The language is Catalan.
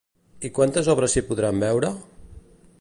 I quantes obres s'hi podran veure?